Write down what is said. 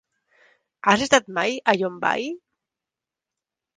Has estat mai a Llombai?